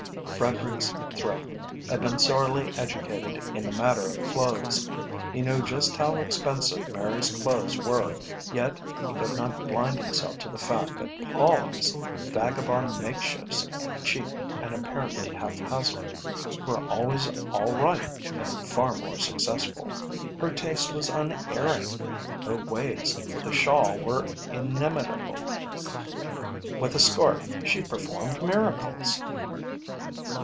Frederick's thrift had been sorely educated in the matter of clothes. He knew just how expensive Mary's clothes were, yet he could not blind himself to the fact that Polly's vagabond makeshifts, cheap and apparently haphazard, were always all right and far more successful. Her taste was unerring. Her ways with a shawl were inimitable. With a scarf she performed miracles.